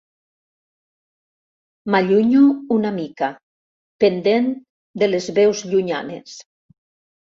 M'allunyo una mica, pendent de les veus llunyanes.